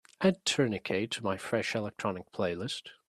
Add Tourniquet to the fresh electronic playlist.